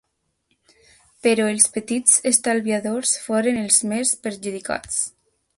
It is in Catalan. Però els petits estalviadors foren els més perjudicats.